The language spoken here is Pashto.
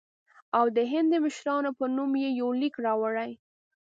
او د هند د مشرانو په نوم یې یو لیک راوړی.